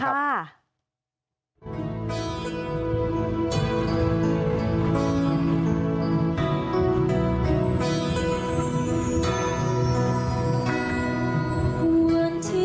โน้ท